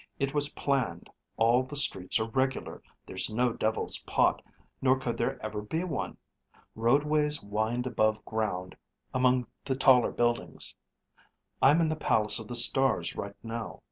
It was planned, all the streets are regular, there's no Devil's Pot, nor could there ever be one. Roadways wind above ground among the taller buildings. I'm in the Palace of the Stars right now.